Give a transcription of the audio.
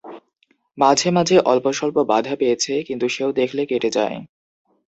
মাঝে মাঝে অল্পস্বল্প বাধা পেয়েছে কিন্তু সেও দেখলে কেটে যায়।